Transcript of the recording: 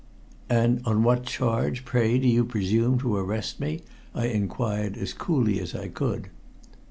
"And on what charge, pray, do you presume to arrest me?" I inquired as coolly as I could.